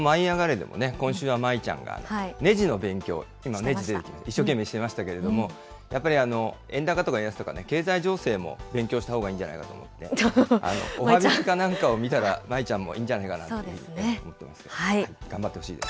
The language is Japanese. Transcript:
でもね、今週は舞ちゃんがネジの勉強、今ネジ出てる、一生懸命していましたけれども、やっぱり円高とか円安とか、経済情勢も勉強したほうがいいんじゃないかと思って、おはＢｉｚかなんかを見たら、舞ちゃんもいいんじゃないかなと思っています。